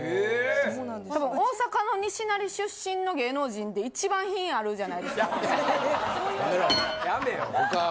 大阪の西成出身の芸能人で一番品あるじゃないですか？